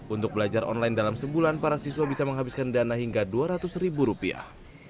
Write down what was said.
untuk belajar online dalam sebulan para siswa bisa menghabiskan dana hingga dua ratus ribu rupiah